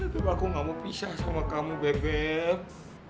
bebep aku gak mau pisah sama kamu bebep